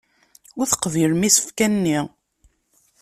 Ur teqbilem isefka-nni.